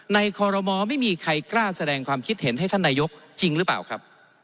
คอรมอไม่มีใครกล้าแสดงความคิดเห็นให้ท่านนายกจริงหรือเปล่าครับ